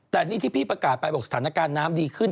แต่นี่ที่พี่ประกาศไปบอกสถานการณ์น้ำดีขึ้น